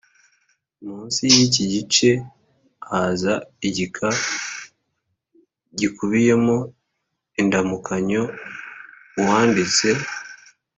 Munsi y iki gice haza igika gikubiyemo indamukanyo uwanditse